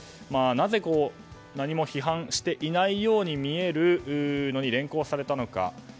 なぜ何も批判していないように見えるのに連行されたのか。